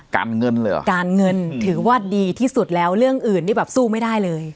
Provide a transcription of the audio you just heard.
การเงินเลยเหรอการเงินถือว่าดีที่สุดแล้วเรื่องอื่นนี่แบบสู้ไม่ได้เลย